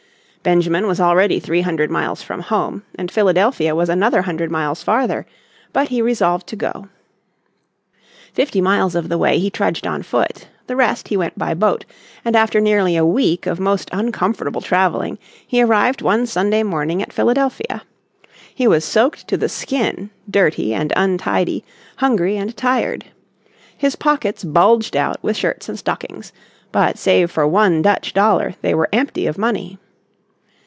Benjamin was already three hundred miles from home, and Philadelphia was another hundred miles farther, but he resolved to go. Fifty miles of the way he trudged on foot, the rest he went by boat, and after nearly a week of most uncomfortable traveling he arrived one Sunday morning at Philadelphia. He was soaked to the skin, dirty and untidy, hungry and tired. His pockets bulged out with shirts and stockings, but save for one Dutch dollar they were empty of money.